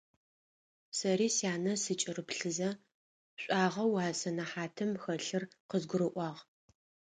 Сэри сянэ сыкӀырыплъызэ, шӀуагъэу а сэнэхьатым хэлъыр къызгурыӀуагъ.